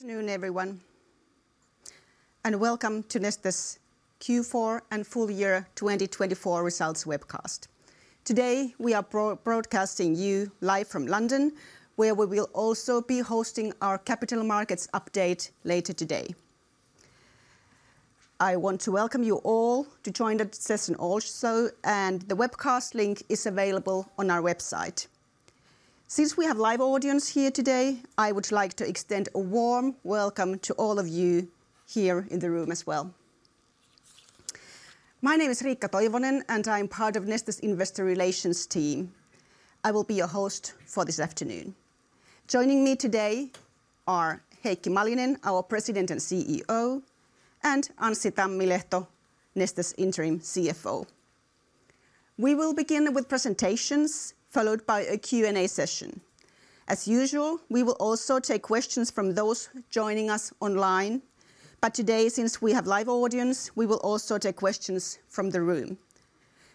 Good afternoon, everyone, and welcome to Neste's Q4 and full year 2024 results webcast. Today we are broadcasting you live from London, where we will also be hosting our capital markets update later today. I want to welcome you all to join the session also, and the webcast link is available on our website. Since we have a live audience here today, I would like to extend a warm welcome to all of you here in the room as well. My name is Riikka Toivonen, and I'm part of Neste's investor relations team. I will be your host for this afternoon. Joining me today are Heikki Malinen, our President and CEO, and Anssi Tammilehto, Neste's interim CFO. We will begin with presentations, followed by a Q&A session. As usual, we will also take questions from those joining us online, but today, since we have a live audience, we will also take questions from the room.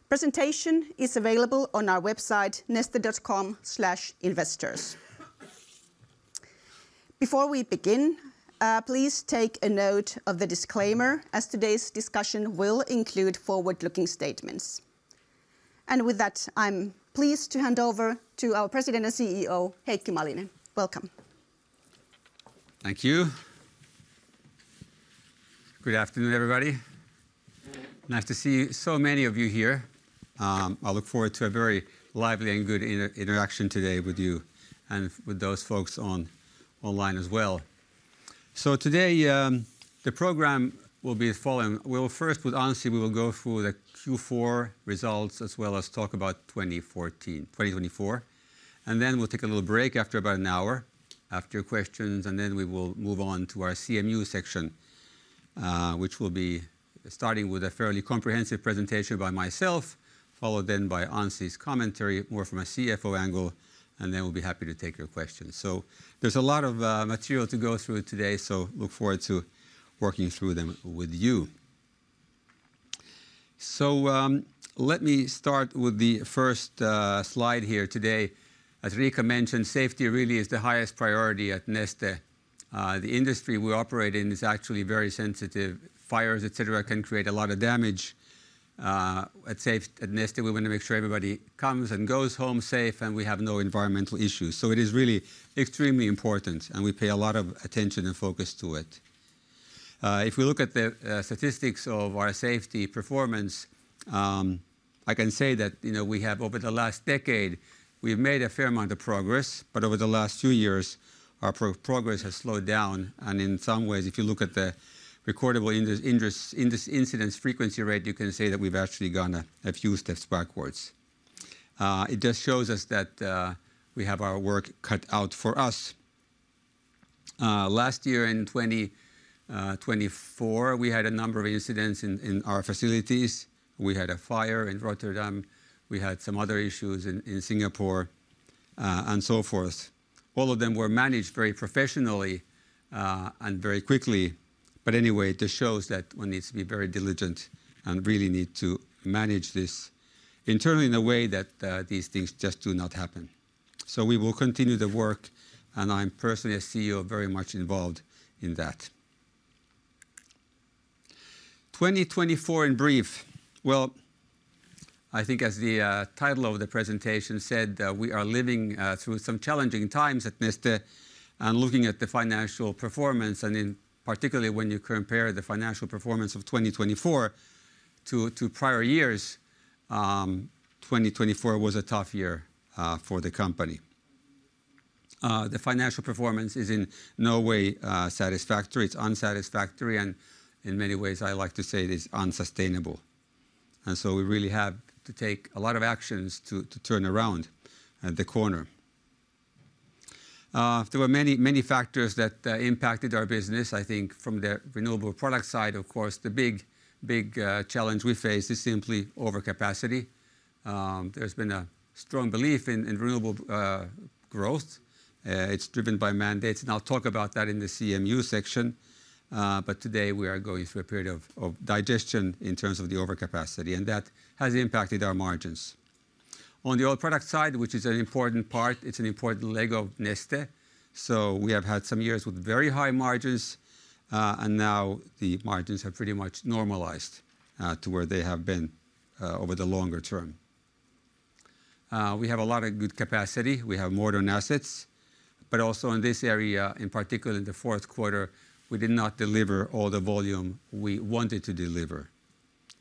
Presentation is available on our website, neste.com/investors. Before we begin, please take a note of the disclaimer, as today's discussion will include forward-looking statements. And with that, I'm pleased to hand over to our President and CEO, Heikki Malinen. Welcome. Thank you. Good afternoon, everybody. Nice to see so many of you here. I look forward to a very lively and good interaction today with you and with those folks online as well. So today, the program will be as following. First, with Anssi, we will go through the Q4 results as well as talk about 2024. And then we'll take a little break after about an hour after your questions, and then we will move on to our CMU section, which will be starting with a fairly comprehensive presentation by myself, followed then by Anssi's commentary more from a CFO angle, and then we'll be happy to take your questions. So there's a lot of material to go through today, so I look forward to working through them with you. So let me start with the first slide here today. As Riikka mentioned, safety really is the highest priority at Neste. The industry we operate in is actually very sensitive. Fires, et cetera, can create a lot of damage. At Neste, we want to make sure everybody comes and goes home safe, and we have no environmental issues. So it is really extremely important, and we pay a lot of attention and focus to it. If we look at the statistics of our safety performance, I can say that we have, over the last decade, made a fair amount of progress, but over the last few years, our progress has slowed down. And in some ways, if you look at the recordable incidents frequency rate, you can say that we've actually gone a few steps backwards. It just shows us that we have our work cut out for us. Last year, in 2024, we had a number of incidents in our facilities. We had a fire in Rotterdam. We had some other issues in Singapore, and so forth. All of them were managed very professionally and very quickly. But anyway, it just shows that one needs to be very diligent and really need to manage this internally in a way that these things just do not happen. So we will continue the work, and I'm personally, as CEO, very much involved in that. 2024 in brief. Well, I think as the title of the presentation said, we are living through some challenging times at Neste and looking at the financial performance. And particularly when you compare the financial performance of 2024 to prior years, 2024 was a tough year for the company. The financial performance is in no way satisfactory. It's unsatisfactory. In many ways, I like to say it is unsustainable. So we really have to take a lot of actions to turn around the corner. There were many factors that impacted our business. I think from the renewable product side, of course, the big challenge we faced is simply overcapacity. There's been a strong belief in renewable growth. It's driven by mandates. And I'll talk about that in the CMU section. But today, we are going through a period of digestion in terms of the overcapacity, and that has impacted our margins. On the oil product side, which is an important part, it's an important leg of Neste. So we have had some years with very high margins, and now the margins have pretty much normalized to where they have been over the longer term. We have a lot of good capacity. We have modern assets. But also in this area, in particular in the fourth quarter, we did not deliver all the volume we wanted to deliver.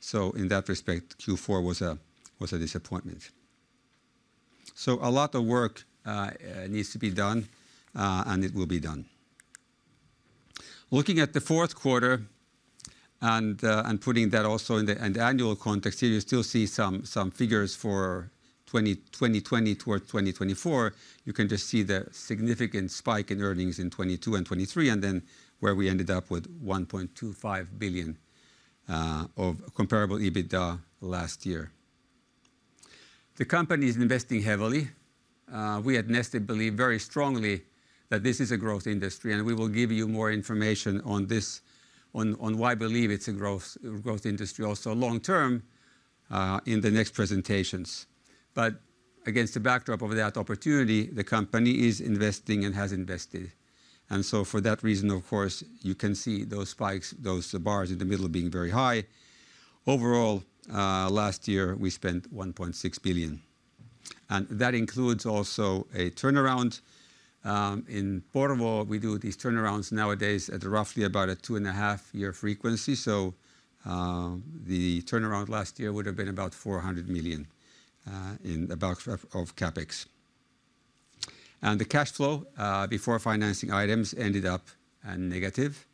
So in that respect, Q4 was a disappointment. So a lot of work needs to be done, and it will be done. Looking at the fourth quarter and putting that also in the annual context here, you still see some figures for 2020 towards 2024. You can just see the significant spike in earnings in 2022 and 2023, and then where we ended up with 1.25 billion of comparable EBITDA last year. The company is investing heavily. We at Neste believe very strongly that this is a growth industry, and we will give you more information on this, on why we believe it's a growth industry also long term in the next presentations. But against the backdrop of that opportunity, the company is investing and has invested. And so for that reason, of course, you can see those spikes, those bars in the middle being very high. Overall, last year, we spent 1.6 billion. And that includes also a turnaround. In Porvoo, we do these turnarounds nowadays at roughly about a two and a half year frequency. So the turnaround last year would have been about 400 million in CapEx. And the cash flow before financing items ended up negative.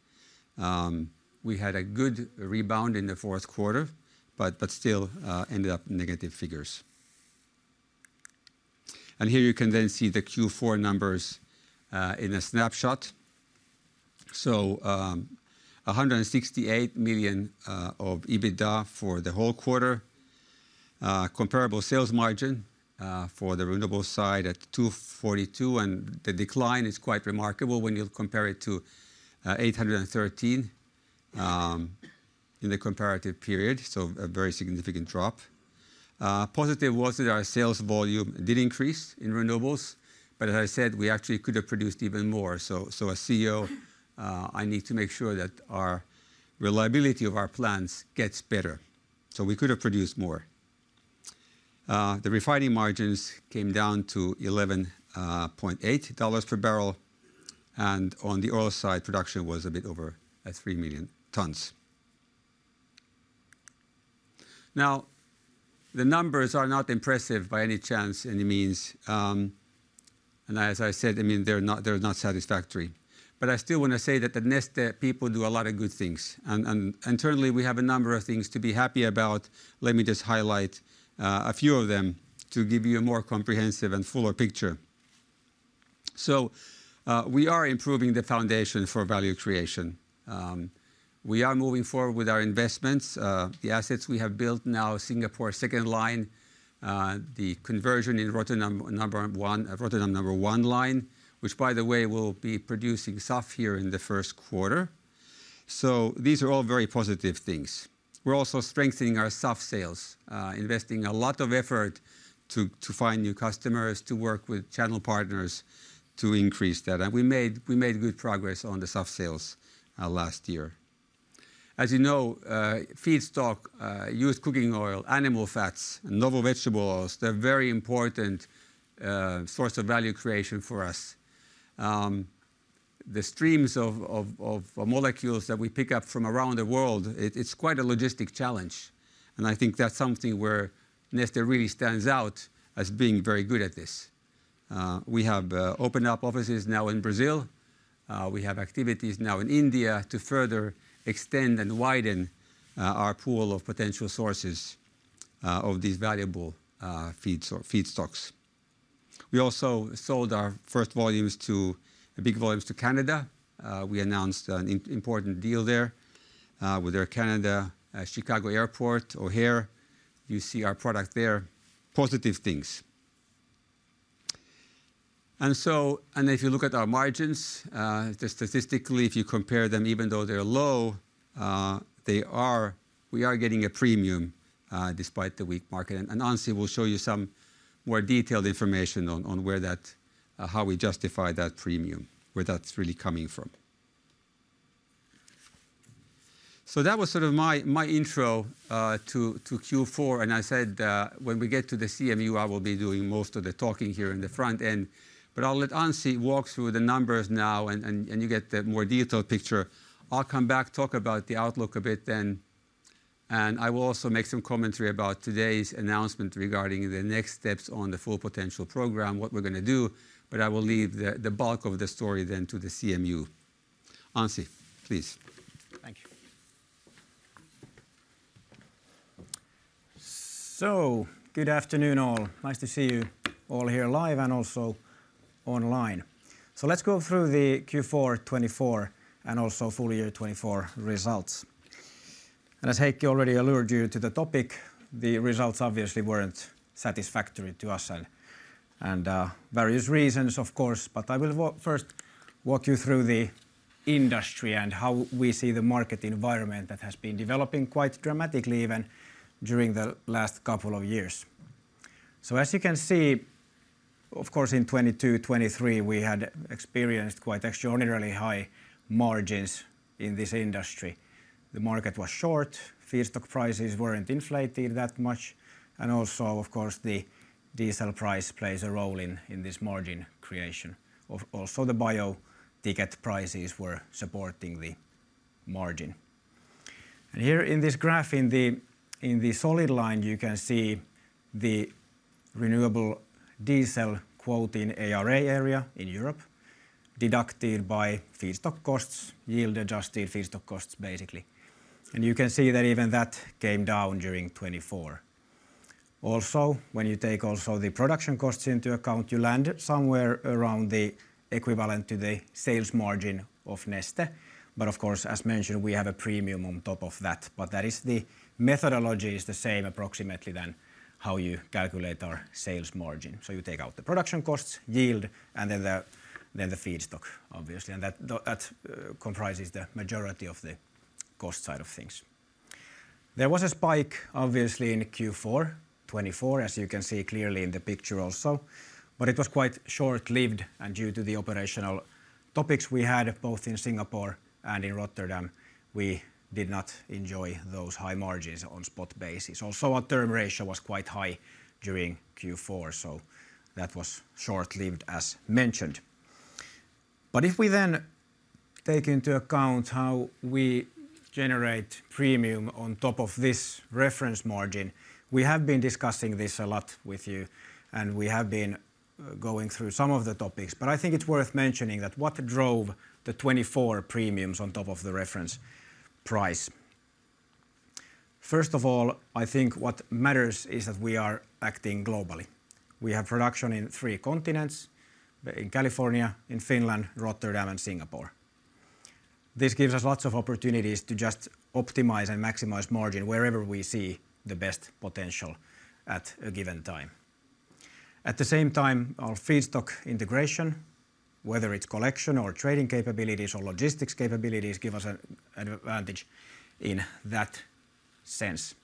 We had a good rebound in the fourth quarter, but still ended up negative figures. And here you can then see the Q4 numbers in a snapshot. So 168 million of EBITDA for the whole quarter, comparable sales margin for the renewable side at 242. And the decline is quite remarkable when you compare it to 813 in the comparative period. So a very significant drop. Positive was that our sales volume did increase in renewables. But as I said, we actually could have produced even more. So as CEO, I need to make sure that our reliability of our plants gets better. So we could have produced more. The refining margins came down to $11.8 per barrel. And on the oil side, production was a bit over 3 million tons. Now, the numbers are not impressive by any chance, any means. And as I said, I mean, they're not satisfactory. But I still want to say that at Neste, people do a lot of good things. And internally, we have a number of things to be happy about. Let me just highlight a few of them to give you a more comprehensive and fuller picture. So we are improving the foundation for value creation. We are moving forward with our investments. The assets we have built now, Singapore second line, the conversion in Rotterdam number one line, which, by the way, will be producing SAF here in the first quarter, so these are all very positive things. We're also strengthening our SAF sales, investing a lot of effort to find new customers, to work with channel partners to increase that, and we made good progress on the SAF sales last year. As you know, feedstock, used cooking oil, animal fats, and novel vegetable oils, they're very important sources of value creation for us. The streams of molecules that we pick up from around the world, it's quite a logistic challenge, and I think that's something where Neste really stands out as being very good at this. We have opened up offices now in Brazil. We have activities now in India to further extend and widen our pool of potential sources of these valuable feedstocks. We also sold our first big volumes to Canada. We announced an important deal there with Air Canada, Chicago O'Hare. You see our product there. Positive things. And if you look at our margins, statistically, if you compare them, even though they're low, we are getting a premium despite the weak market. And Anssi will show you some more detailed information on how we justify that premium, where that's really coming from. So that was sort of my intro to Q4. And I said, when we get to the CMU, I will be doing most of the talking here in the front end. But I'll let Anssi walk through the numbers now, and you get the more detailed picture. I'll come back, talk about the outlook a bit then, and I will also make some commentary about today's announcement regarding the next steps on the Full Potential program, what we're going to do. But I will leave the bulk of the story then to the CMU. Anssi, please. Thank you. Good afternoon, all. Nice to see you all here live and also online. So let's go through the Q4 2024 and also full year 2024 results. And as Heikki already alluded to the topic, the results obviously weren't satisfactory to us and various reasons, of course. But I will first walk you through the industry and how we see the market environment that has been developing quite dramatically even during the last couple of years. So as you can see, of course, in 2022, 2023, we had experienced quite extraordinarily high margins in this industry. The market was short. Feedstock prices weren't inflated that much. And also, of course, the diesel price plays a role in this margin creation. Also, the bio ticket prices were supporting the margin. Here in this graph, in the solid line, you can see the renewable diesel quote in ARA area in Europe, deducted by feedstock costs, yield-adjusted feedstock costs, basically. You can see that even that came down during 2024. Also, when you take also the production costs into account, you land somewhere around the equivalent to the sales margin of Neste. Of course, as mentioned, we have a premium on top of that. That is the methodology is the same approximately than how you calculate our sales margin. You take out the production costs, yield, and then the feedstock, obviously. That comprises the majority of the cost side of things. There was a spike, obviously, in Q4 2024, as you can see clearly in the picture, also. It was quite short-lived. Due to the operational topics we had both in Singapore and in Rotterdam, we did not enjoy those high margins on spot basis. Also, our term ratio was quite high during Q4. That was short-lived, as mentioned. If we then take into account how we generate premium on top of this reference margin, we have been discussing this a lot with you, and we have been going through some of the topics. I think it's worth mentioning that what drove the 2024 premiums on top of the reference price. First of all, I think what matters is that we are acting globally. We have production in three continents: in California, in Finland, Rotterdam, and Singapore. This gives us lots of opportunities to just optimize and maximize margin wherever we see the best potential at a given time. At the same time, our feedstock integration, whether it's collection or trading capabilities or logistics capabilities, gives us an advantage in that sense.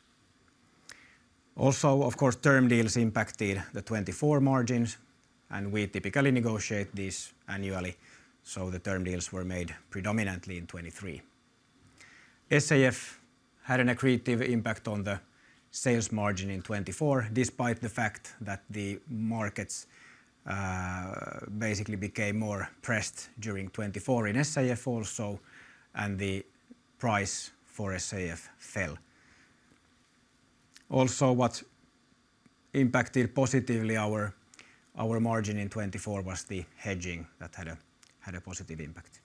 Also, of course, term deals impacted the 2024 margins, and we typically negotiate these annually. So the term deals were made predominantly in 2023. SAF had an accretive impact on the sales margin in 2024, despite the fact that the markets basically became more pressed during 2024 in SAF also, and the price for SAF fell. Also, what impacted positively our margin in 2024 was the hedging that had a positive impact.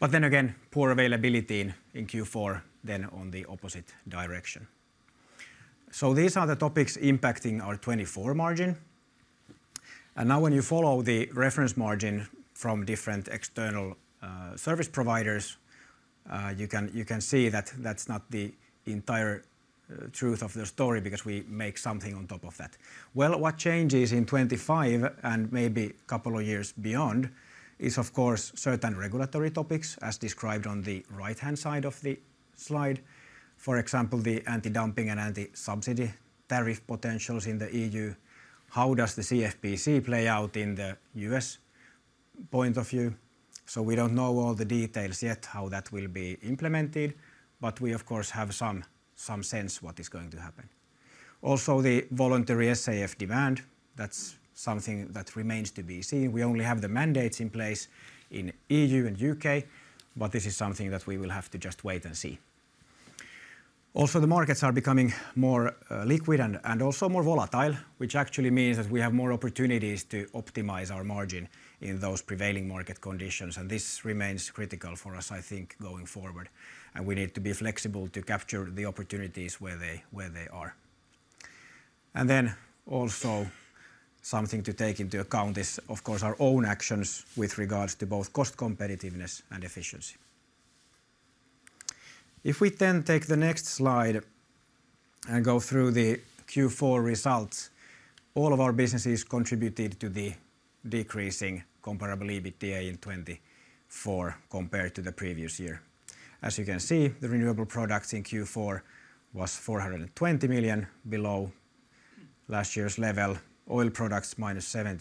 But then again, poor availability in Q4 then on the opposite direction. So these are the topics impacting our 2024 margin. And now when you follow the reference margin from different external service providers, you can see that that's not the entire truth of the story because we make something on top of that. What changes in 2025 and maybe a couple of years beyond is, of course, certain regulatory topics, as described on the right-hand side of the slide. For example, the anti-dumping and anti-subsidy tariff potentials in the E.U. How does the CFPC play out in the U.S. point of view? So we don't know all the details yet how that will be implemented. But we, of course, have some sense of what is going to happen. Also, the voluntary SAF demand, that's something that remains to be seen. We only have the mandates in place in the E.U. and the U.K. But this is something that we will have to just wait and see. Also, the markets are becoming more liquid and also more volatile, which actually means that we have more opportunities to optimize our margin in those prevailing market conditions. This remains critical for us, I think, going forward. We need to be flexible to capture the opportunities where they are. Then also something to take into account is, of course, our own actions with regards to both cost competitiveness and efficiency. If we then take the next slide and go through the Q4 results, all of our businesses contributed to the decreasing comparable EBITDA in 2024 compared to the previous year. As you can see, the renewable products in Q4 was 420 million below last year's level. Oil products -177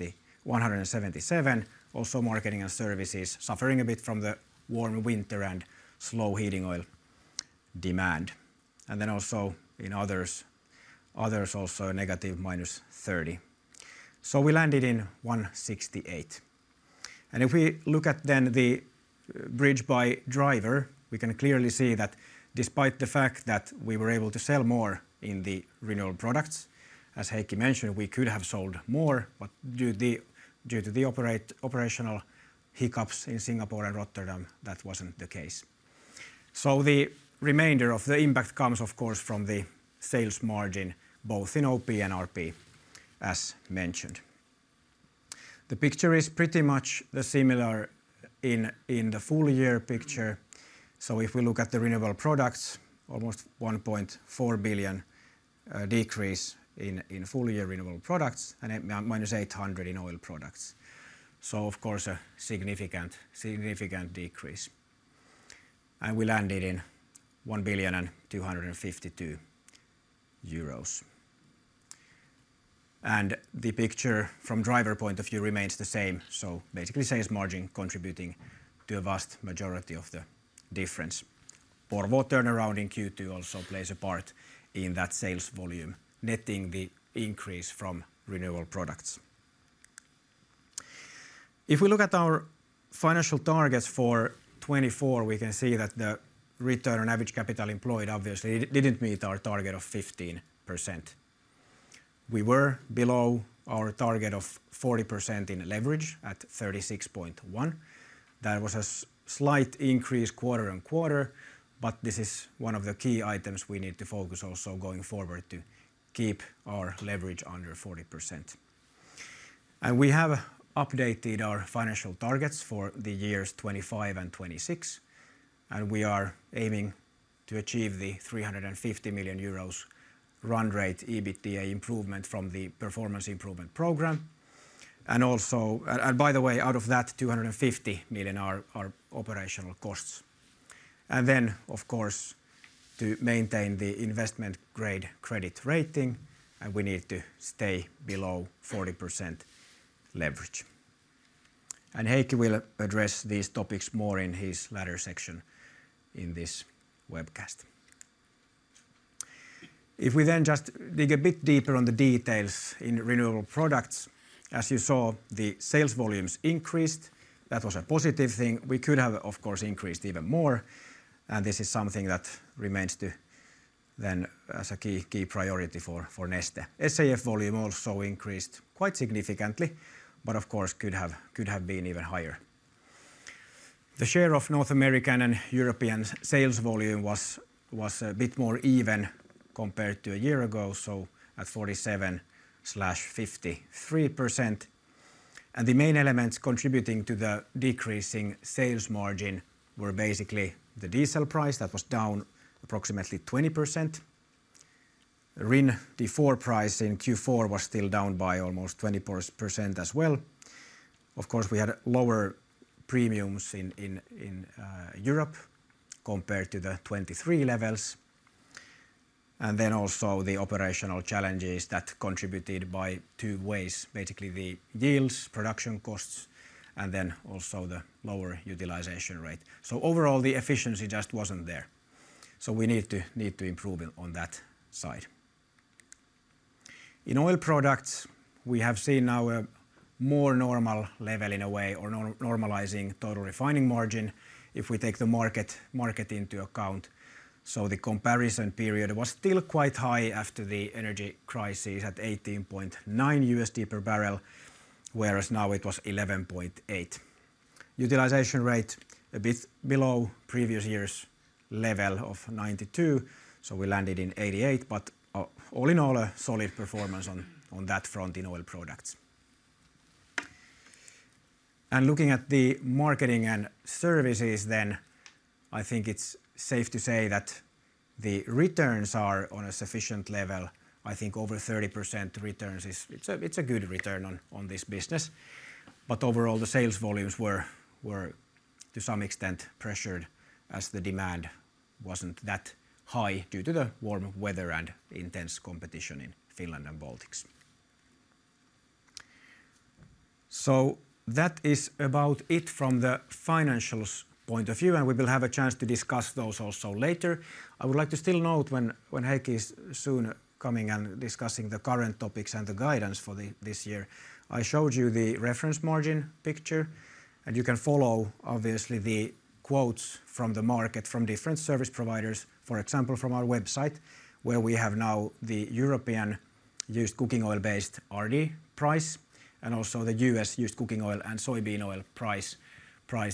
million, also marketing and services suffering a bit from the warm winter and slow heating oil demand. Then also in others, also a negative -30 million. So we landed in 168 million. And if we look at then the bridge by driver, we can clearly see that despite the fact that we were able to sell more in the renewable products, as Heikki mentioned, we could have sold more. But due to the operational hiccups in Singapore and Rotterdam, that wasn't the case. So the remainder of the impact comes, of course, from the sales margin, both in OP and RP, as mentioned. The picture is pretty much similar in the full year picture. So if we look at the renewable products, almost 1.4 billion decrease in full year renewable products and -800 million in oil products. So, of course, a significant decrease. And we landed in 1.252 billion. And the picture from driver point of view remains the same. So basically sales margin contributing to a vast majority of the difference. Porvoo turnaround in Q2 also plays a part in that sales volume netting the increase from renewable products. If we look at our financial targets for 2024, we can see that the return on average capital employed obviously didn't meet our target of 15%. We were below our target of 40% in leverage at 36.1%. That was a slight increase quarter-on-quarter. But this is one of the key items we need to focus on also going forward to keep our leverage under 40%. And we have updated our financial targets for the years 2025 and 2026. And we are aiming to achieve the 350 million euros run rate EBITDA improvement from the performance improvement program. And by the way, out of that 250 million are operational costs. And then, of course, to maintain the investment grade credit rating, we need to stay below 40% leverage. Heikki will address these topics more in his later section in this webcast. If we then just dig a bit deeper on the details in renewable products, as you saw, the sales volumes increased. That was a positive thing. We could have, of course, increased even more. This is something that remains then as a key priority for Neste. SAF volume also increased quite significantly, but of course could have been even higher. The share of North American and European sales volume was a bit more even compared to a year ago, so at 47%/53%. The main elements contributing to the decreasing sales margin were basically the diesel price that was down approximately 20%. RIN, the D4 price in Q4 was still down by almost 20% as well. Of course, we had lower premiums in Europe compared to the 2023 levels. And then also the operational challenges that contributed by two ways, basically the yields, production costs, and then also the lower utilization rate. So overall, the efficiency just wasn't there. So we need to improve on that side. In oil products, we have seen now a more normal level in a way, or normalizing total refining margin if we take the market into account. So the comparison period was still quite high after the energy crisis at $18.9 per barrel, whereas now it was $11.8. Utilization rate a bit below previous year's level of 92%. So we landed in 88%, but all in all a solid performance on that front in oil products. And looking at the marketing and services then, I think it's safe to say that the returns are on a sufficient level. I think over 30% returns is a good return on this business. But overall, the sales volumes were to some extent pressured as the demand wasn't that high due to the warm weather and intense competition in Finland and Baltics. So that is about it from the financials point of view. And we will have a chance to discuss those also later. I would like to still note when Heikki is soon coming and discussing the current topics and the guidance for this year, I showed you the reference margin picture. And you can follow obviously the quotes from the market from different service providers, for example, from our website, where we have now the European used cooking oil-based RD price and also the U.S. used cooking oil and soybean oil price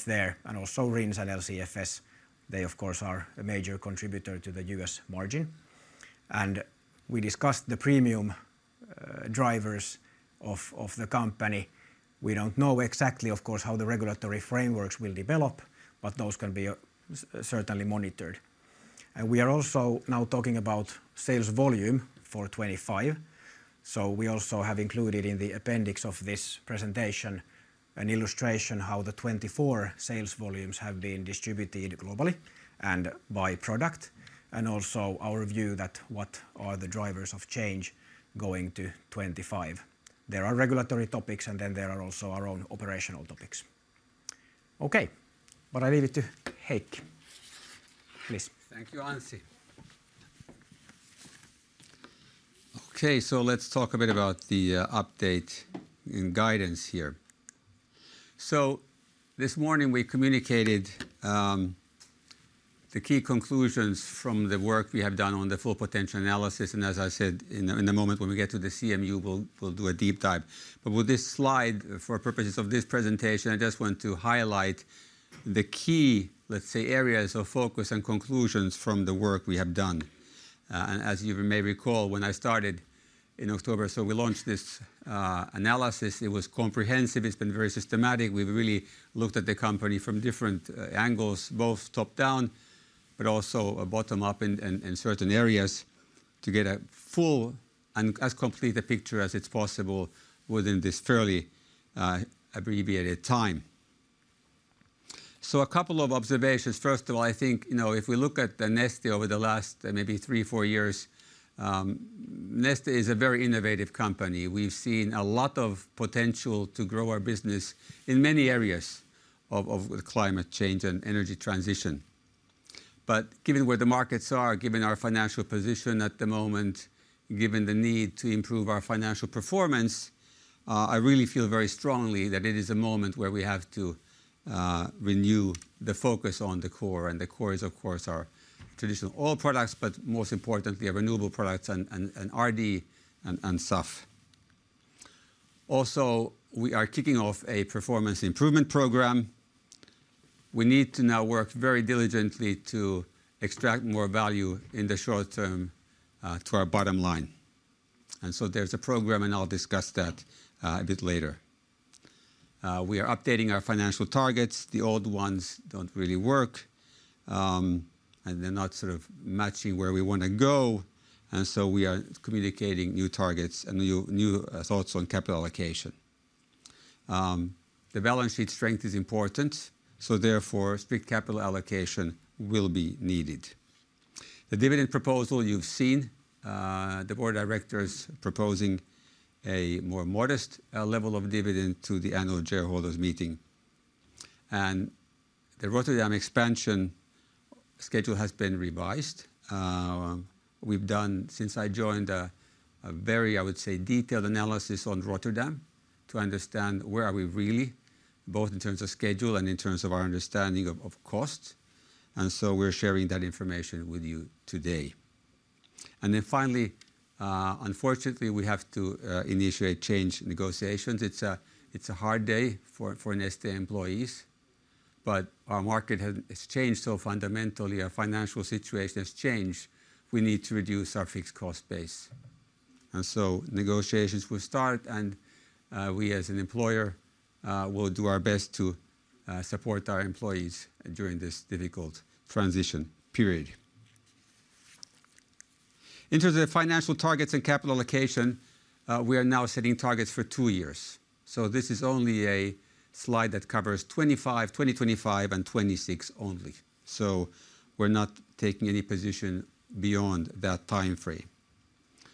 there. And also RINs and LCFS, they of course are a major contributor to the U.S. margin. And we discussed the premium drivers of the company. We don't know exactly, of course, how the regulatory frameworks will develop, but those can be certainly monitored, and we are also now talking about sales volume for 2025. So we also have included in the appendix of this presentation an illustration of how the 2024 sales volumes have been distributed globally and by product, and also our view: what are the drivers of change going to 2025. There are regulatory topics, and then there are also our own operational topics. Okay, but I leave it to Heikki. Please. Thank you, Anssi. Okay, so let's talk a bit about the update and guidance here. This morning we communicated the key conclusions from the work we have done on the full potential analysis, and as I said, in the moment when we get to the CMU, we'll do a deep dive. But with this slide for purposes of this presentation, I just want to highlight the key, let's say, areas of focus and conclusions from the work we have done. And as you may recall, when I started in October, so we launched this analysis, it was comprehensive. It's been very systematic. We've really looked at the company from different angles, both top down, but also bottom up in certain areas to get a full and as complete a picture as it's possible within this fairly abbreviated time. So a couple of observations. First of all, I think if we look at the Neste over the last maybe three, four years, Neste is a very innovative company. We've seen a lot of potential to grow our business in many areas of climate change and energy transition. But given where the markets are, given our financial position at the moment, given the need to improve our financial performance, I really feel very strongly that it is a moment where we have to renew the focus on the core. And the core is, of course, our traditional oil products, but most importantly, our renewable products and RD and SAF. Also, we are kicking off a performance improvement program. We need to now work very diligently to extract more value in the short term to our bottom line. And so there's a program, and I'll discuss that a bit later. We are updating our financial targets. The old ones don't really work, and they're not sort of matching where we want to go. And so we are communicating new targets and new thoughts on capital allocation. The balance sheet strength is important. So therefore, strict capital allocation will be needed. The dividend proposal you've seen, the board of directors proposing a more modest level of dividend to the annual shareholders meeting, and the Rotterdam expansion schedule has been revised. We've done, since I joined, a very, I would say, detailed analysis on Rotterdam to understand where are we really, both in terms of schedule and in terms of our understanding of costs, and so we're sharing that information with you today, and then finally, unfortunately, we have to initiate change negotiations. It's a hard day for Neste employees, but our market has changed so fundamentally. Our financial situation has changed. We need to reduce our fixed cost base, and so negotiations will start, and we as an employer will do our best to support our employees during this difficult transition period. In terms of the financial targets and capital allocation, we are now setting targets for two years. So this is only a slide that covers 2025 and 2026 only. So we're not taking any position beyond that time frame.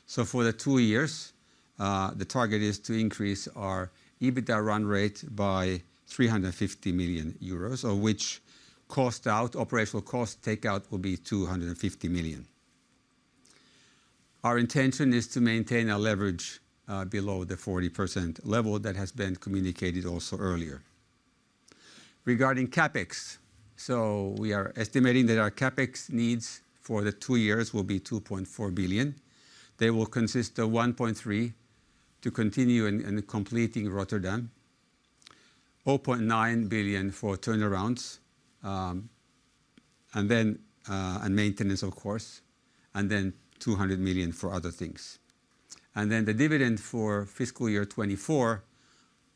So for the two years, the target is to increase our EBITDA run rate by 350 million euros, of which cost out, operational cost takeout will be 250 million. Our intention is to maintain our leverage below the 40% level that has been communicated also earlier. Regarding CapEx, so we are estimating that our CapEx needs for the two years will be 2.4 billion. They will consist of 1.3 billion to continue in completing Rotterdam, 0.9 billion for turnarounds and maintenance, of course, and then 200 million for other things. And then the dividend for fiscal year 2024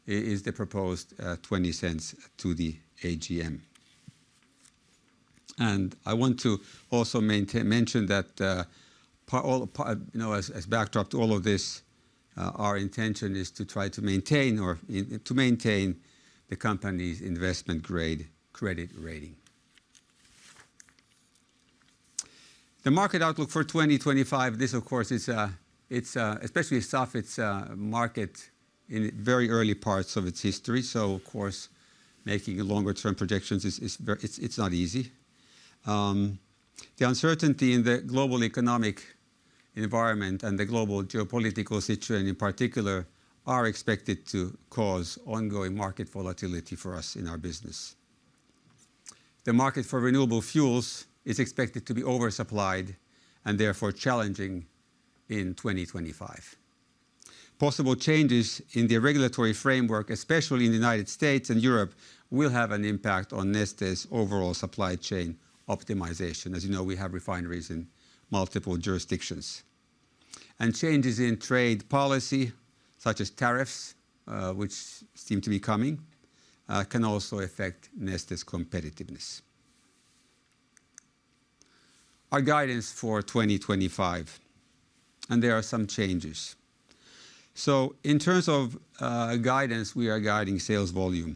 is the proposed 0.20 to the AGM.And I want to also mention that as backdrop to all of this, our intention is to try to maintain or to maintain the company's investment grade credit rating. The market outlook for 2025, this of course is especially SAF, it's a market in very early parts of its history. So of course, making longer term projections, it's not easy. The uncertainty in the global economic environment and the global geopolitical situation in particular are expected to cause ongoing market volatility for us in our business. The market for renewable fuels is expected to be oversupplied and therefore challenging in 2025. Possible changes in the regulatory framework, especially in the U.S. and Europe, will have an impact on Neste's overall supply chain optimization. As you know, we have refineries in multiple jurisdictions. Changes in trade policy, such as tariffs, which seem to be coming, can also affect Neste's competitiveness. Our guidance for 2025, and there are some changes. In terms of guidance, we are guiding sales volume.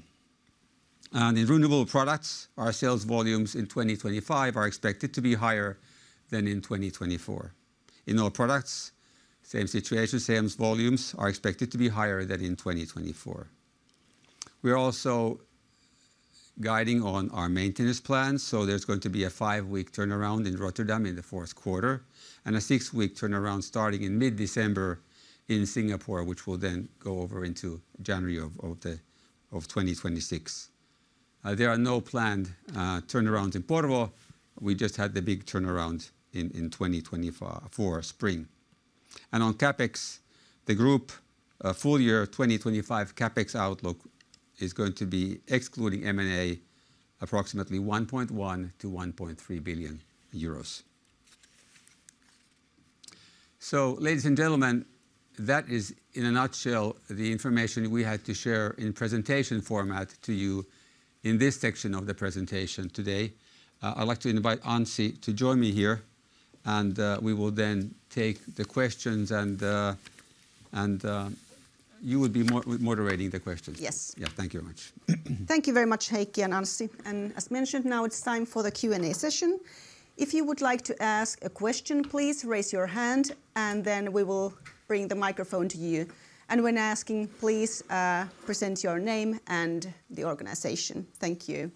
In renewable products, our sales volumes in 2025 are expected to be higher than in 2024. In all products, same situation, sales volumes are expected to be higher than in 2024. We are also guiding on our maintenance plans. There's going to be a five-week turnaround in Rotterdam in the fourth quarter and a six-week turnaround starting in mid-December in Singapore, which will then go over into January of 2026. There are no planned turnarounds in Porvoo. We just had the big turnaround in spring 2024. On CapEx, the group full year 2025 CapEx outlook is going to be excluding M&A approximately 1.1 billion-1.3 euros billion. So ladies and gentlemen, that is in a nutshell the information we had to share in presentation format to you in this section of the presentation today. I'd like to invite Anssi to join me here, and we will then take the questions, and you will be moderating the questions. Yes. Yeah, thank you very much. Thank you very much, Heikki and Anssi. And as mentioned, now it's time for the Q&A session. If you would like to ask a question, please raise your hand, and then we will bring the microphone to you. And when asking, please present your name and the organization. Thank you.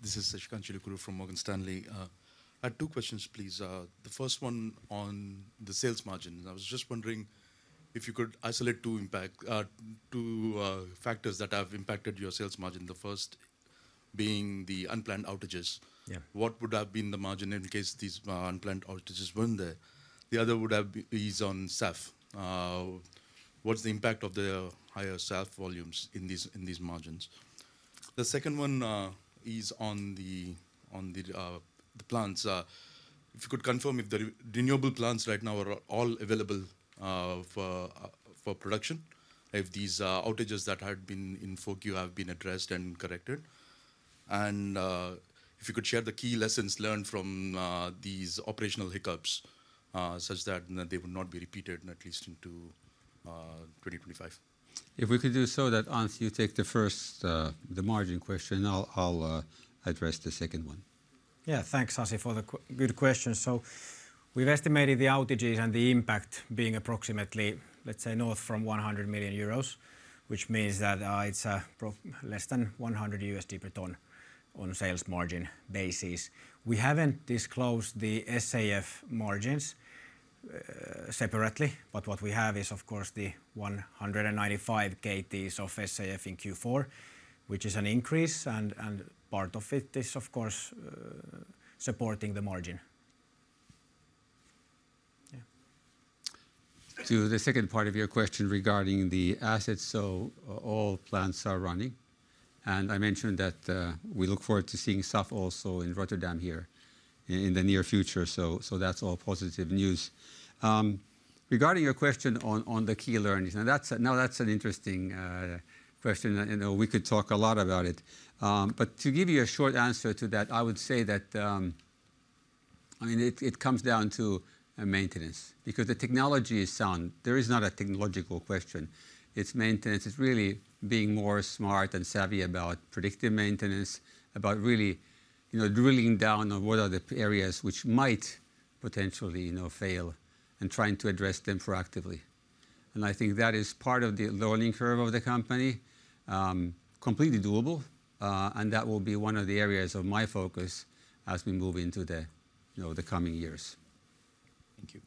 Hi, this is Sasikanth Chilukuru from Morgan Stanley. I had two questions, please. The first one on the sales margins. I was just wondering if you could isolate two factors that have impacted your sales margin. The first being the unplanned outages. What would have been the margin in case these unplanned outages weren't there? The other would have been on SAF. What's the impact of the higher SAF volumes in these margins? The second one is on the plants. If you could confirm if the renewable plants right now are all available for production, if these outages that had been in focus have been addressed and corrected. And if you could share the key lessons learned from these operational hiccups such that they would not be repeated, at least into 2025. If we could do so, Anssi, you take the first, the margin question, and I'll address the second one. Yeah, thanks, Anssi, for the good question. So we've estimated the outages and the impact being approximately, let's say, north of 100 million euros, which means that it's less than $100 per ton on sales margin basis. We haven't disclosed the SAF margins separately, but what we have is, of course, the 195 kTs of SAF in Q4, which is an increase, and part of it is, of course, supporting the margin. To the second part of your question regarding the assets, so all plants are running, and I mentioned that we look forward to seeing SAF also in Rotterdam here in the near future, so that's all positive news. Regarding your question on the key learnings, now that's an interesting question. We could talk a lot about it, but to give you a short answer to that, I would say that, I mean, it comes down to maintenance because the technology is sound. There is not a technological question. It's maintenance. It's really being more smart and savvy about predictive maintenance, about really drilling down on what are the areas which might potentially fail and trying to address them proactively. And I think that is part of the learning curve of the company, completely doable. And that will be one of the areas of my focus as we move into the coming years. Thank you.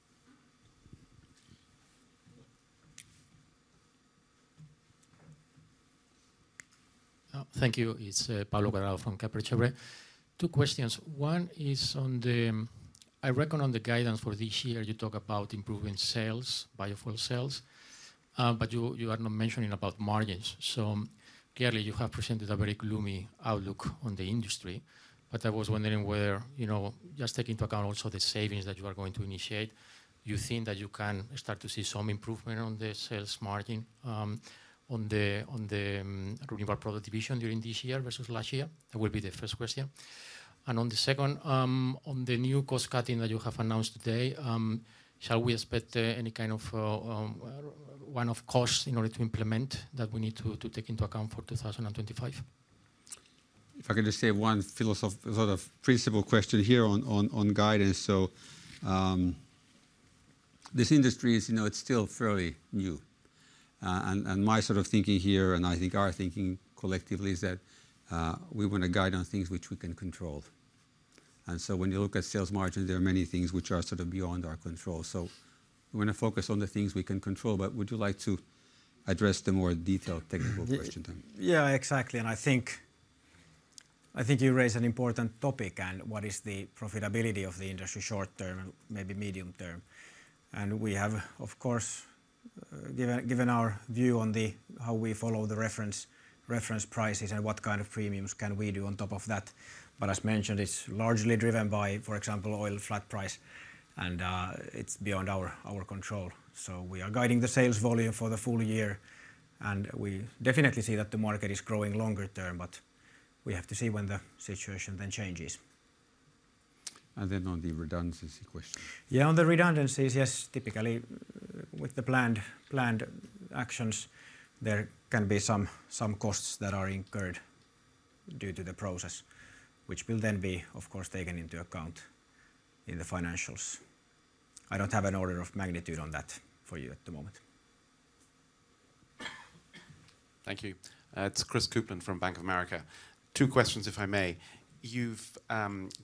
Thank you. It's Pablo Cuadrado from Kepler Cheuvreux. Two questions. One is on the, I reckon, on the guidance for this year, you talk about improving sales, biofuel sales, but you are not mentioning about margins. Clearly you have presented a very gloomy outlook on the industry, but I was wondering whether, just taking into account also the savings that you are going to initiate, you think that you can start to see some improvement on the sales margin on the renewable product division during this year versus last year? That will be the first question, and on the second, on the new cost cutting that you have announced today, shall we expect any kind of one-off costs in order to implement that we need to take into account for 2025? If I can just say one sort of principal question here on guidance, so this industry is still fairly new. And my sort of thinking here, and I think our thinking collectively is that we want to guide on things which we can control. And so when you look at sales margins, there are many things which are sort of beyond our control. So we want to focus on the things we can control. But would you like to address the more detailed technical question? Yeah, exactly. And I think you raise an important topic and what is the profitability of the industry short term and maybe medium term. And we have, of course, given our view on how we follow the reference prices and what kind of premiums can we do on top of that. But as mentioned, it's largely driven by, for example, oil flat price, and it's beyond our control. So we are guiding the sales volume for the full year, and we definitely see that the market is growing longer term, but we have to see when the situation then changes. And then on the redundancy question. Yeah, on the redundancies, yes. Typically, with the planned actions, there can be some costs that are incurred due to the process, which will then be, of course, taken into account in the financials. I don't have an order of magnitude on that for you at the moment. Thank you. It's Chris Kuplent from Bank of America. Two questions, if I may. You've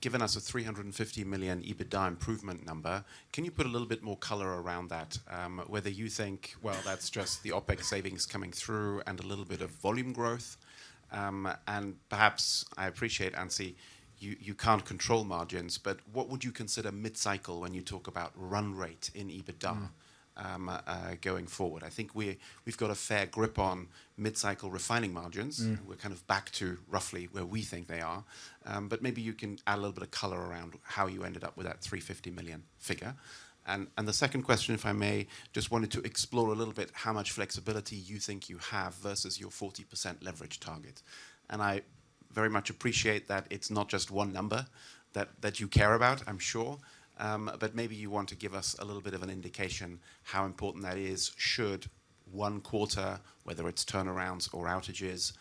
given us a 350 million EBITDA improvement number. Can you put a little bit more color around that? Whether you think, well, that's just the OpEx savings coming through and a little bit of volume growth. And perhaps. I appreciate, Anssi, you can't control margins, but what would you consider mid-cycle when you talk about run rate in EBITDA going forward? I think we've got a fair grip on mid-cycle refining margins. We're kind of back to roughly where we think they are. But maybe you can add a little bit of color around how you ended up with that 350 million figure. And the second question, if I may, just wanted to explore a little bit how much flexibility you think you have versus your 40% leverage target. And I very much appreciate that it's not just one number that you care about, I'm sure, but maybe you want to give us a little bit of an indication how important that is should one quarter, whether it's turnarounds or outages,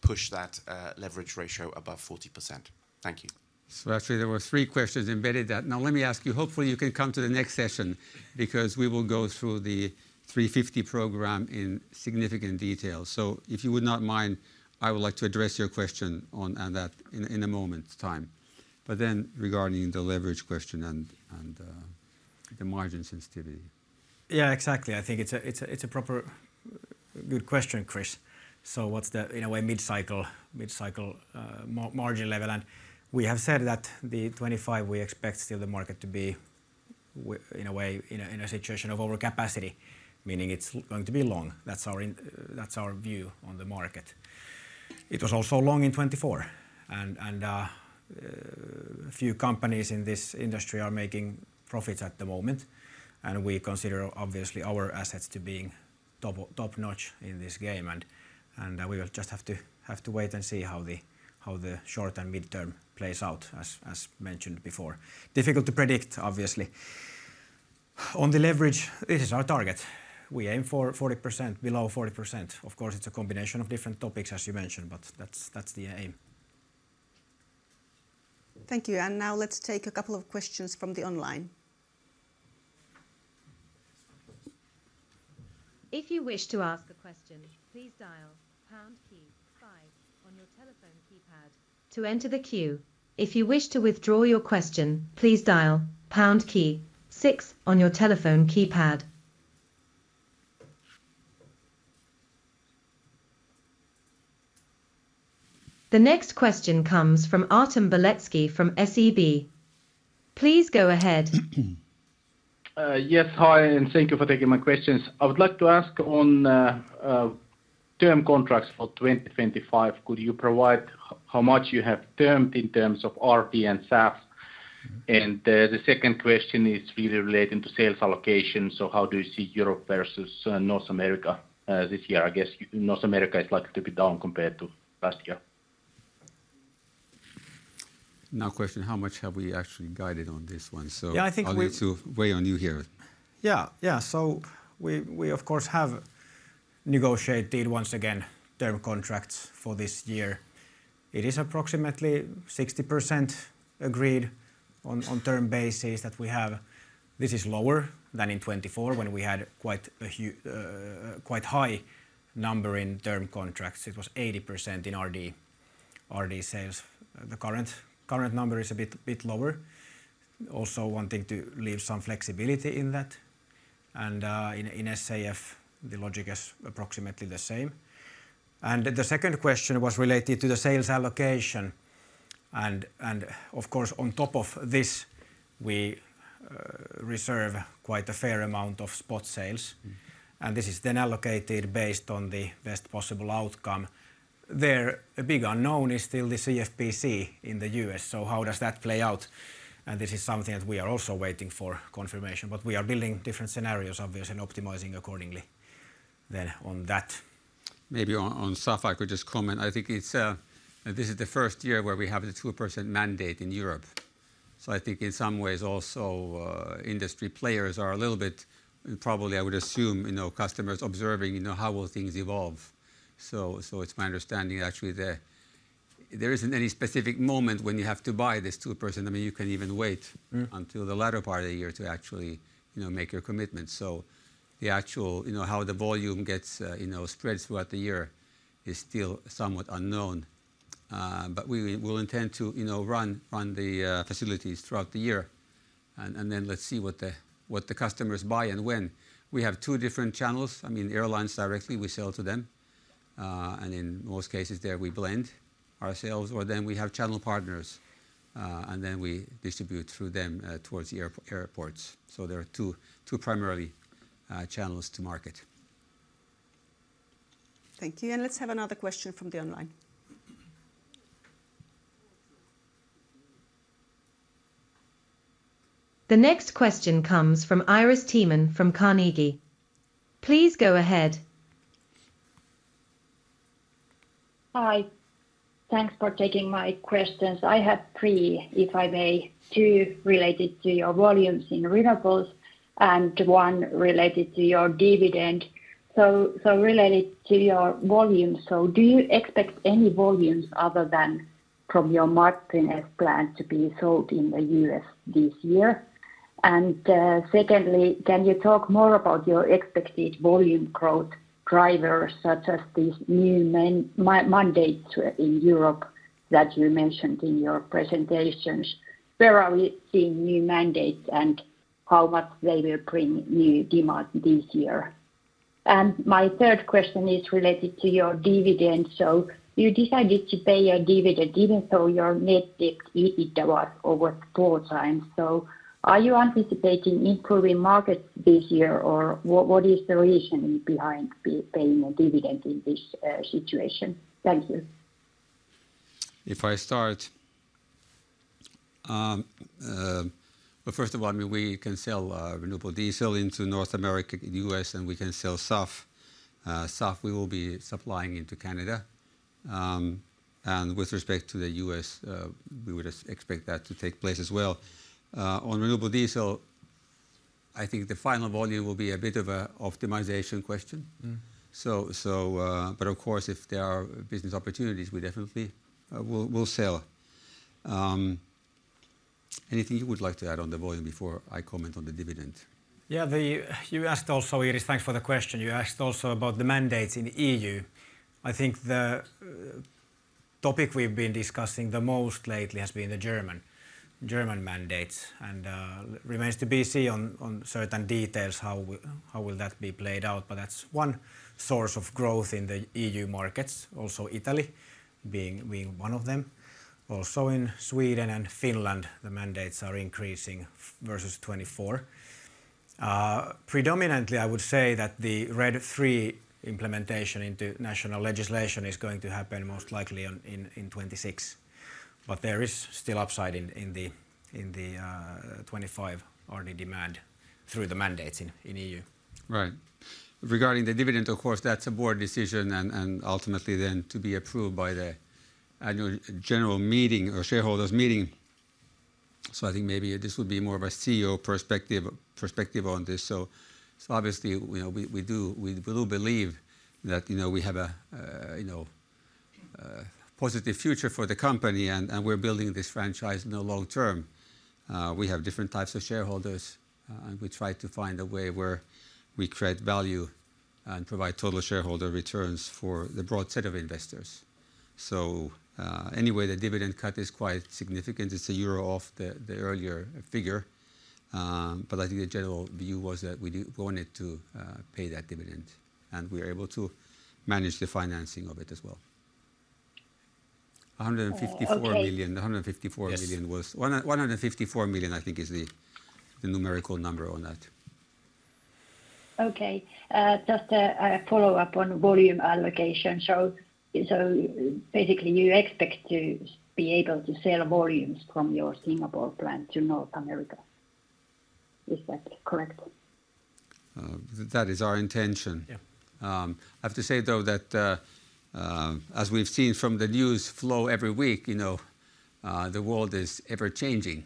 push that leverage ratio above 40%. Thank you. So I see there were three questions embedded in that. Now let me ask you, hopefully you can come to the next session because we will go through the 350 program in significant detail. So if you would not mind, I would like to address your question on that in a moment's time. But then regarding the leverage question and the margin sensitivity. Yeah, exactly. I think it's a proper good question, Chris. So what's the, in a way, mid-cycle margin level? And we have said that the 2025, we expect still the market to be in a way in a situation of overcapacity, meaning it's going to be long. That's our view on the market. It was also long in 2024. And a few companies in this industry are making profits at the moment. And we consider obviously our assets to being top-notch in this game. And we will just have to wait and see how the short and mid-term plays out, as mentioned before. Difficult to predict, obviously. On the leverage, this is our target. We aim for 40%, below 40%. Of course, it's a combination of different topics, as you mentioned, but that's the aim. Thank you. And now let's take a couple of questions from the online. If you wish to ask a question, please dial pound key five on your telephone keypad to enter the queue. If you wish to withdraw your question, please dial pound key six on your telephone keypad. The next question comes from Artem Beletski from SEB. Please go ahead. Yes, hi, and thank you for taking my questions. I would like to ask on term contracts for 2025. Could you provide how much you have termed in terms of RP and SAF? And the second question is really relating to sales allocation. So how do you see Europe versus North America this year? I guess North America is likely to be down compared to last year. Now, question, how much have we actually guided on this one? So I need to weigh on you here. Yeah, yeah. We, of course, have negotiated once again term contracts for this year. It is approximately 60% agreed on term basis that we have. This is lower than in 2024 when we had quite a high number in term contracts. It was 80% in RD sales. The current number is a bit lower. Also, wanting to leave some flexibility in that. And in SAF, the logic is approximately the same. And the second question was related to the sales allocation. And of course, on top of this, we reserve quite a fair amount of spot sales. And this is then allocated based on the best possible outcome. There, a big unknown is still the CFPC in the U.S. So how does that play out? And this is something that we are also waiting for confirmation. But we are building different scenarios, obviously, and optimizing accordingly then on that. Maybe on SAF, I could just comment. I think this is the first year where we have the 2% mandate in Europe. So I think in some ways also industry players are a little bit, probably I would assume, customers observing how will things evolve. So it's my understanding actually that there isn't any specific moment when you have to buy this 2%. I mean, you can even wait until the latter part of the year to actually make your commitment. So the actual how the volume gets spread throughout the year is still somewhat unknown. But we will intend to run the facilities throughout the year. And then let's see what the customers buy and when. We have two different channels. I mean, airlines directly, we sell to them. And in most cases there, we blend ourselves. Or then we have channel partners, and then we distribute through them towards the airports. So there are two primarily channels to market. Thank you. And let's have another question from the online. The next question comes from Iiris Theman from Carnegie. Please go ahead. Hi. Thanks for taking my questions. I have three, if I may, two related to your volumes in renewables and one related to your dividend. So related to your volumes, so do you expect any volumes other than from your Martinez plant to be sold in the U.S. this year? And secondly, can you talk more about your expected volume growth drivers, such as these new mandates in Europe that you mentioned in your presentations? Where are we seeing new mandates and how much they will bring new demand this year? And my third question is related to your dividend. So you decided to pay a dividend, even though your net debt is over four times. So are you anticipating improving markets this year, or what is the reasoning behind paying a dividend in this situation? Thank you. If I start, well, first of all, I mean, we can sell renewable diesel into North America, U.S., and we can sell SAF. SAF, we will be supplying into Canada. And with respect to the U.S., we would expect that to take place as well. On renewable diesel, I think the final volume will be a bit of an optimization question. But of course, if there are business opportunities, we definitely will sell. Anything you would like to add on the volume before I comment on the dividend? Yeah, you asked also, Iris, thanks for the question. You asked also about the mandates in the E.U. I think the topic we've been discussing the most lately has been the German mandates, and it remains to be seen on certain details how will that be played out, but that's one source of growth in the EU markets. Also, Italy being one of them. Also in Sweden and Finland, the mandates are increasing versus 2024. Predominantly, I would say that the RED III implementation into national legislation is going to happen most likely in 2026, but there is still upside in the 2025 RD demand through the mandates in EU. Right. Regarding the dividend, of course, that's a board decision and ultimately then to be approved by the general meeting or shareholders' meeting, so I think maybe this would be more of a CEO perspective on this. Obviously, we do believe that we have a positive future for the company and we're building this franchise in the long term. We have different types of shareholders and we try to find a way where we create value and provide total shareholder returns for the broad set of investors. Anyway, the dividend cut is quite significant. It's EUR 1 off the earlier figure. But I think the general view was that we wanted to pay that dividend and we were able to manage the financing of it as well. 154 million. 154 million was 154 million, I think is the numerical number on that. Okay. Just a follow-up on volume allocation. Basically, you expect to be able to sell volumes from your Singapore plant to North America. Is that correct? That is our intention. I have to say though that as we've seen from the news flow every week, the world is ever-changing.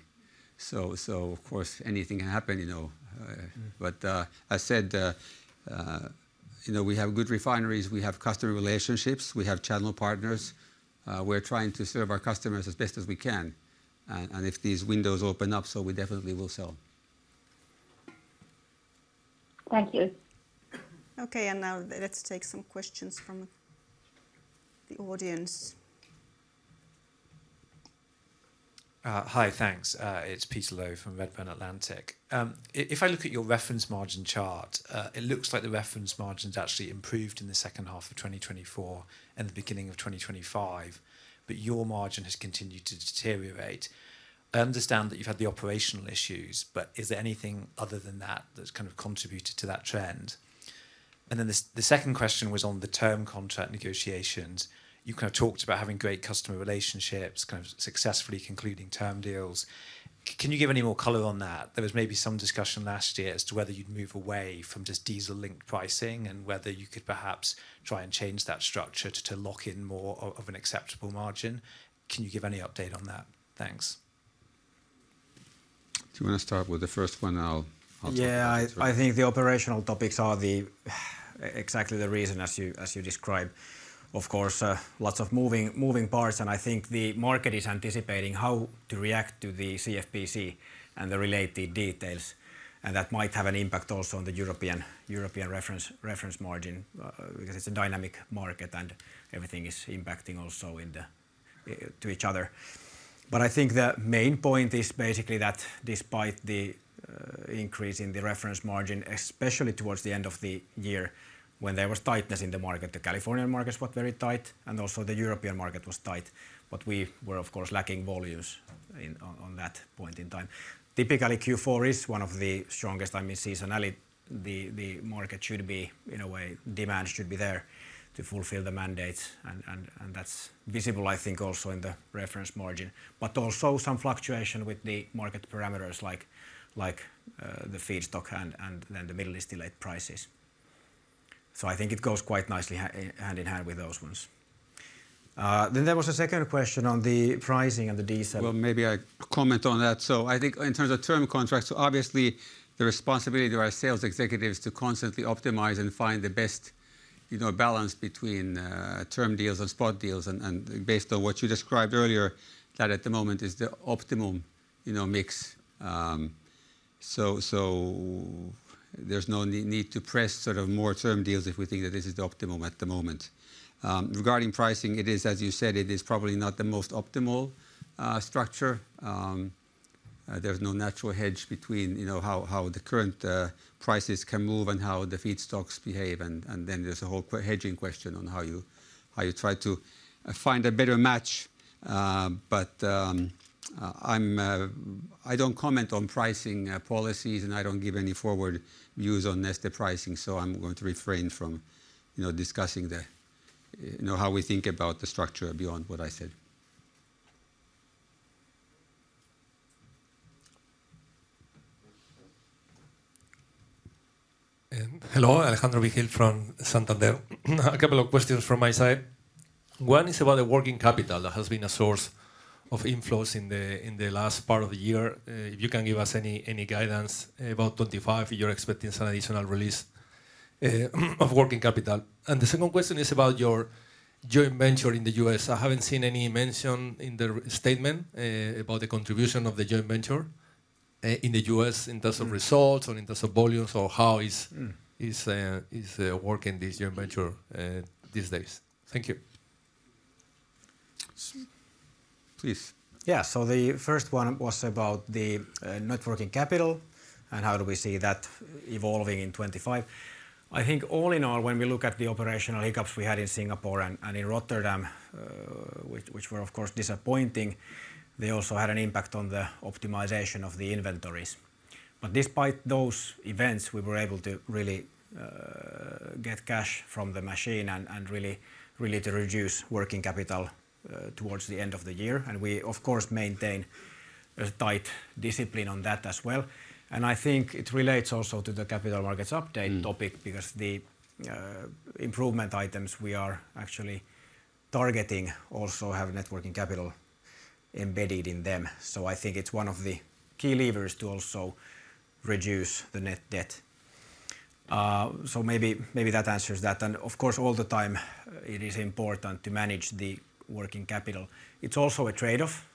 So of course, anything can happen. But as I said, we have good refineries, we have customer relationships, we have channel partners. We're trying to serve our customers as best as we can. And if these windows open up, so we definitely will sell. Thank you. Okay. And now let's take some questions from the audience. Hi, thanks. It's Peter Low from Redburn Atlantic. If I look at your reference margin chart, it looks like the reference margin has actually improved in the second half of 2024 and the beginning of 2025, but your margin has continued to deteriorate. I understand that you've had the operational issues, but is there anything other than that that's kind of contributed to that trend? And then the second question was on the term contract negotiations. You kind of talked about having great customer relationships, kind of successfully concluding term deals. Can you give any more color on that? There was maybe some discussion last year as to whether you'd move away from just diesel-linked pricing and whether you could perhaps try and change that structure to lock in more of an acceptable margin. Can you give any update on that? Thanks. Do you want to start with the first one? Yeah, I think the operational topics are exactly the reason as you described. Of course, lots of moving parts. And I think the market is anticipating how to react to the CFPC and the related details. And that might have an impact also on the European reference margin because it's a dynamic market and everything is impacting also to each other. But I think the main point is basically that despite the increase in the reference margin, especially towards the end of the year when there was tightness in the market, the California markets were very tight and also the European market was tight. But we were, of course, lacking volumes on that point in time. Typically, Q4 is one of the strongest. I mean, seasonally, the market should be, in a way, demand should be there to fulfill the mandates. And that's visible, I think, also in the reference margin. But also some fluctuation with the market parameters like the feedstock and then the middle distillate prices. So I think it goes quite nicely hand in hand with those ones. Then there was a second question on the pricing and the diesel. Well, maybe I comment on that. So I think in terms of term contracts, obviously the responsibility of our sales executives is to constantly optimize and find the best balance between term deals and spot deals. And based on what you described earlier, that at the moment is the optimum mix. So there's no need to press sort of more term deals if we think that this is the optimum at the moment. Regarding pricing, it is, as you said, it is probably not the most optimal structure. There's no natural hedge between how the current prices can move and how the feedstocks behave. And then there's a whole hedging question on how you try to find a better match. But I don't comment on pricing policies and I don't give any forward views on Neste pricing. So I'm going to refrain from discussing how we think about the structure beyond what I said. Hello, Alejandro Demichelis from Santander. A couple of questions from my side. One is about the working capital that has been a source of inflows in the last part of the year. If you can give us any guidance about 2025, you're expecting some additional release of working capital. And the second question is about your joint venture in the U.S. I haven't seen any mention in the statement about the contribution of the joint venture in the U.S. in terms of results or in terms of volumes or how is working this joint venture these days. Thank you. Please. Yeah. So the first one was about the working capital and how do we see that evolving in 2025. I think all in all, when we look at the operational hiccups we had in Singapore and in Rotterdam, which were of course disappointing, they also had an impact on the optimization of the inventories, but despite those events, we were able to really get cash from the machine and really reduce working capital towards the end of the year, and we, of course, maintain a tight discipline on that as well. And I think it relates also to the capital markets update topic because the improvement items we are actually targeting also have net working capital embedded in them, so I think it's one of the key levers to also reduce the net debt, so maybe that answers that, and of course, all the time it is important to manage the working capital. It's also a trade-off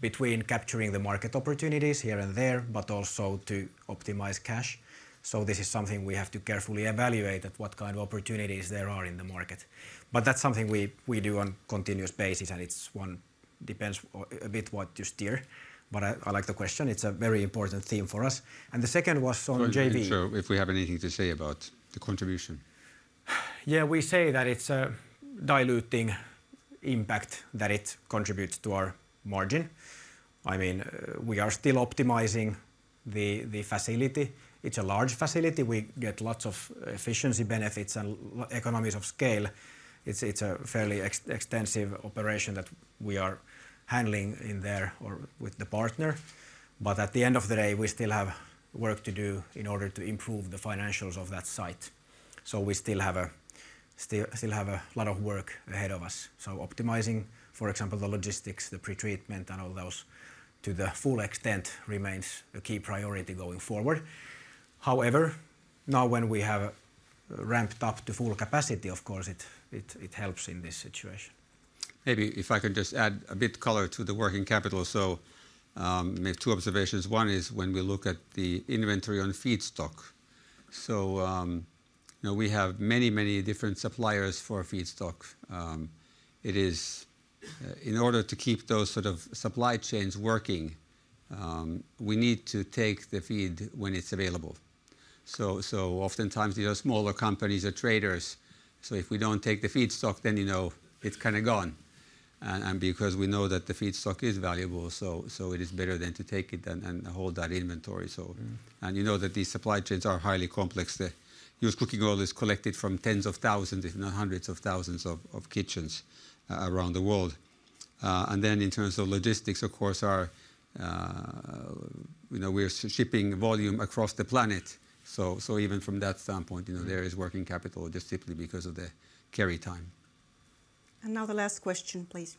between capturing the market opportunities here and there, but also to optimize cash. So this is something we have to carefully evaluate what kind of opportunities there are in the market. But that's something we do on a continuous basis and it depends a bit what you steer. But I like the question. It's a very important theme for us. And the second was on JV. So if we have anything to say about the contribution. Yeah, we say that it's a diluting impact that it contributes to our margin. I mean, we are still optimizing the facility. It's a large facility. We get lots of efficiency benefits and economies of scale. It's a fairly extensive operation that we are handling in there or with the partner. But at the end of the day, we still have work to do in order to improve the financials of that site. So we still have a lot of work ahead of us. So optimizing, for example, the logistics, the pretreatment and all those to the full extent remains a key priority going forward. However, now when we have ramped up to full capacity, of course, it helps in this situation. Maybe if I can just add a bit of color to the working capital. So maybe two observations. One is when we look at the inventory on feedstock. So we have many, many different suppliers for feedstock. It is in order to keep those sort of supply chains working, we need to take the feed when it's available. So oftentimes these are smaller companies or traders. So if we don't take the feedstock, then it's kind of gone. And because we know that the feedstock is valuable, so it is better than to take it and hold that inventory. And you know that these supply chains are highly complex. The used cooking oil is collected from tens of thousands, if not hundreds of thousands of kitchens around the world. And then in terms of logistics, of course, we're shipping volume across the planet. So even from that standpoint, there is working capital just simply because of the carry time. And now the last question, please.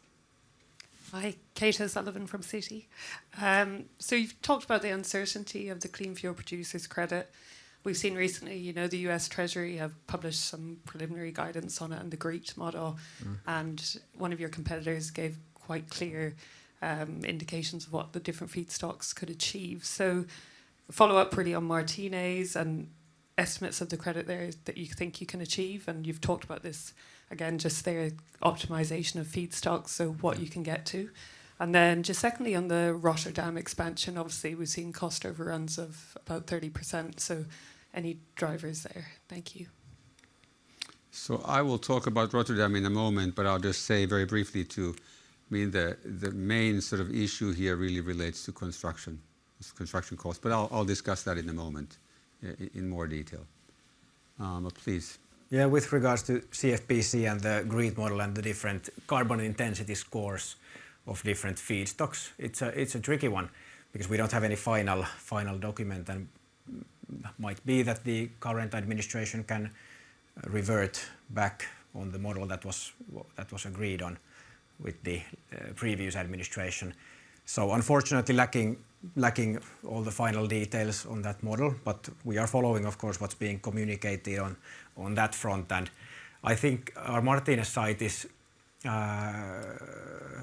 Hi, Kate O'Sullivan from Citi. So you've talked about the uncertainty of the Clean Fuel Production Credit. We've seen recently the U.S. Treasury have published some preliminary guidance on it and the GREET model. And one of your competitors gave quite clear indications of what the different feedstocks could achieve. So follow-up really on Martinez and estimates of the credit there that you think you can achieve. And you've talked about this again, just their optimization of feedstocks, so what you can get to. And then just secondly on the Rotterdam expansion, obviously we've seen cost overruns of about 30%. So any drivers there? Thank you. So I will talk about Rotterdam in a moment, but I'll just say very briefly to me that the main sort of issue here really relates to construction costs. But I'll discuss that in a moment in more detail. Please. Yeah, with regards to CFPC and the GREET model and the different carbon intensity scores of different feedstocks, it's a tricky one because we don't have any final document. And it might be that the current administration can revert back on the model that was agreed on with the previous administration. So unfortunately lacking all the final details on that model. But we are following, of course, what's being communicated on that front. I think our Martinez's site is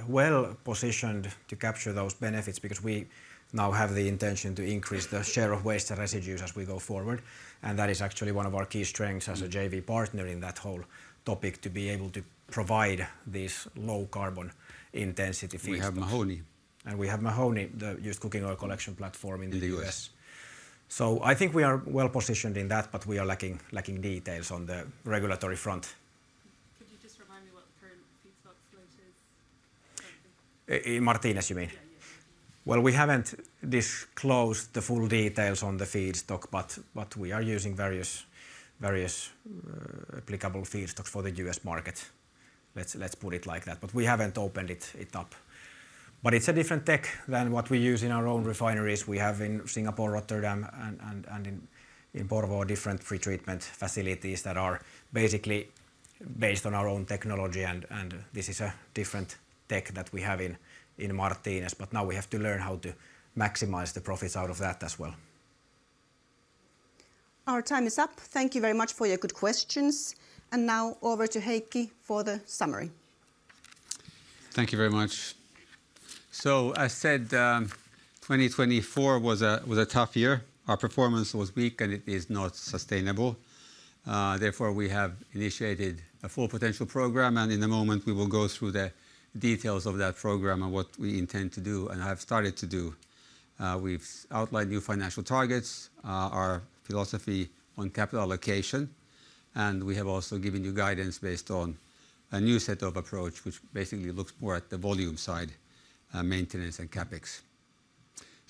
well positioned to capture those benefits because we now have the intention to increase the share of waste and residues as we go forward. That is actually one of our key strengths as a JV partner in that whole topic to be able to provide these low carbon intensity feedstocks. We have Mahoney. We have Mahoney, the used cooking oil collection platform in the U.S. I think we are well positioned in that, but we are lacking details on the regulatory front. Could you just remind me what the current feedstock slate is? Martinez's, you mean? Yeah, yeah. Well, we haven't disclosed the full details on the feedstock, but we are using various applicable feedstocks for the U.S. market. Let's put it like that. We haven't opened it up. But it's a different tech than what we use in our own refineries. We have in Singapore, Rotterdam, and in Porvoo different pretreatment facilities that are basically based on our own technology. And this is a different tech that we have in Martinez. But now we have to learn how to maximize the profits out of that as well. Our time is up. Thank you very much for your good questions. And now over to Heikki for the summary. Thank you very much. So as I said, 2024 was a tough year. Our performance was weak and it is not sustainable. Therefore, we have initiated a Full Potential program. And in a moment, we will go through the details of that program and what we intend to do and have started to do. We've outlined new financial targets, our philosophy on capital allocation. We have also given you guidance based on a new set of approach, which basically looks more at the volume side, maintenance and CapEx.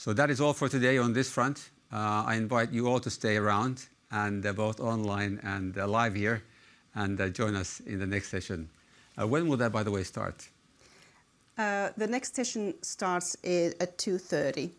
That is all for today on this front. I invite you all to stay around and both online and live here and join us in the next session. When will that, by the way, start? The next session starts at 2:30 P.M.